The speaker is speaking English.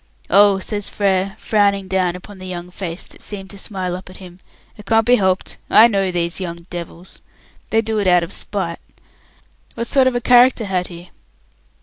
"Oh," says Frere, frowning down upon the young face that seemed to smile up at him. "It can't be helped. I know those young devils. They'd do it out of spite. What sort of a character had he?"